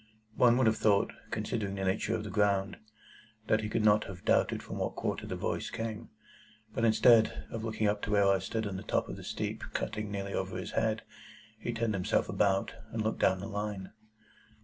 One would have thought, considering the nature of the ground, that he could not have doubted from what quarter the voice came; but instead of looking up to where I stood on the top of the steep cutting nearly over his head, he turned himself about, and looked down the Line.